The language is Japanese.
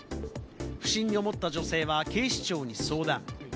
不審に思った女性は、警視庁に相談。